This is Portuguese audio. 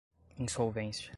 insolvência